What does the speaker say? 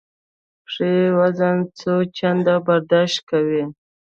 پښې وزن څو چنده برداشت کوي.